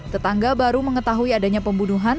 tetangga baru mengetahui adanya pembunuhan